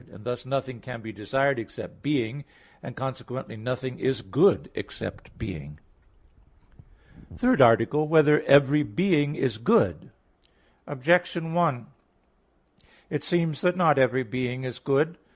And thus nothing can be desired except being; and consequently nothing is good except being. _______________________ THIRD ARTICLE [I, Q. 5, Art. 3] Whether Every Being Is Good? Objection 1: It seems that not every being is good.